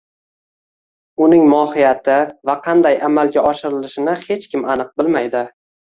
uning mohiyati va qanday amalga oshirilishini hech kim aniq bilmaydi